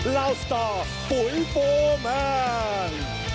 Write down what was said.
ลาวสตอปุ๋ยโฟร์แมน